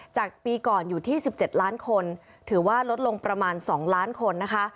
จากปีก่อนอยู่ที่๑๗ล้านคนถือว่าลดลงประมาณ๒ล้านคนนะคะ